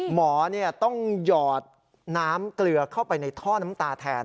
หมอต้องหยอดน้ำเกลือเข้าไปในท่อน้ำตาแทน